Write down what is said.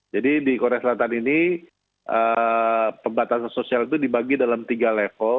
jadi di korea selatan ini pembatasan sosial itu dibagi dalam tiga level